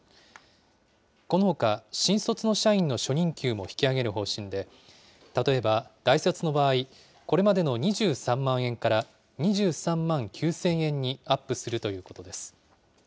このほか、新卒の社員の初任給も引き上げる方針で、例えば大卒の場合、これまでの２３万円から２３万９０００円にアップするということです。